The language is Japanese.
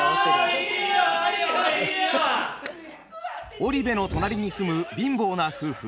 織部の隣に住む貧乏な夫婦